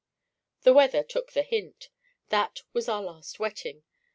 The weather took the hint. That was our last wetting.